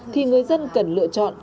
thì người dân cần lựa chọn